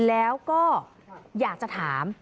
แล้วก็อยากจะถาม